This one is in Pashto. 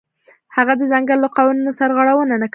هغه د ځنګل له قوانینو سرغړونه نه کوله.